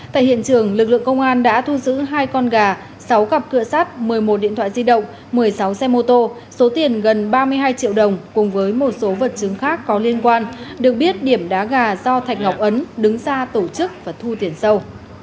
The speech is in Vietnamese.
tại hiện trường lực lượng công an đã thu giữ hai con gà sáu cặp cửa sắt một mươi một điện thoại di động một mươi sáu xe mô tô số tiền gần ba mươi hai triệu đồng cùng với một số vật chứng khác có liên quan được biết điểm đá gà do thạch ngọc ấn đứng ra tổ chức và thu tiền sâu